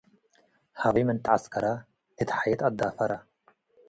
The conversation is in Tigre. . ሀበይ ምን ተዐስከረ። እት ሐየት አዳፈረ፣